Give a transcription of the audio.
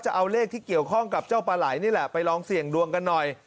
จะเอาเลขที่เกี่ยวข้องกับเจ้าปลาไหลนี่แหละไปลองเสี่ยงดวงกันหน่อย